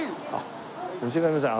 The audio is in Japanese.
申し訳ありません。